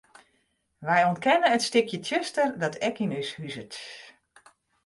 Wy ûntkenne it stikje tsjuster dat ek yn ús huzet.